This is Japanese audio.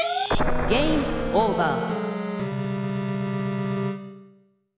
ゲームオーバー。